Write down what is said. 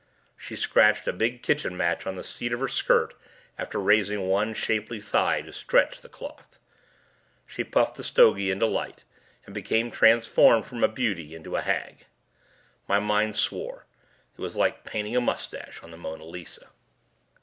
She scratched a big kitchen match on the seat of her skirt after raising one shapely thigh to stretch the cloth. She puffed the stogie into light and became transformed from a beauty into a hag. My mind swore; it was like painting a mustache on the Mona Lisa.